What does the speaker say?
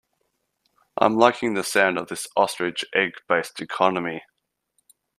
I'm liking the sound of this ostrich egg based economy.